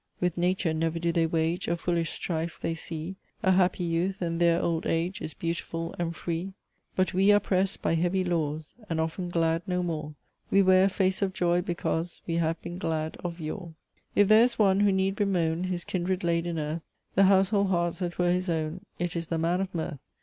With Nature never do they wage A foolish strife; they see A happy youth, and their old age Is beautiful and free! But we are pressed by heavy laws; And often glad no more, We wear a face of joy, because We have been glad of yore. If there is one, who need bemoan His kindred laid in earth, The household hearts that were his own, It is the man of mirth.